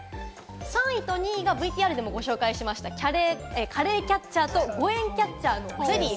３位と２位はＶＴＲでもご紹介しました、カレーキャッチャーと５円キャッチャーのゼリー。